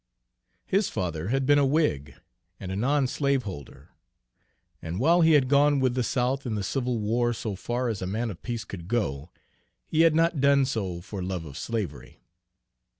His father had been a Whig, and a non slaveholder; and while he had gone with the South in the civil war so far as a man of peace could go, he had not done so for love of slavery.